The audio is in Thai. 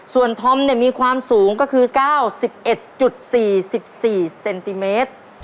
ส่วนธอมมีความสูงก็คือ๙๑๔๔เซนติเมตร